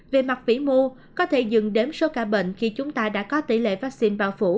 về mặt vĩ mô có thể dừng đến số ca bệnh khi chúng ta đã có tỷ lệ vaccine bao phủ